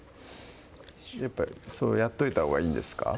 やっぱりやっといたほうがいいんですか？